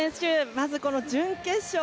まずこの準決勝。